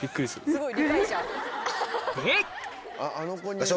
すごい。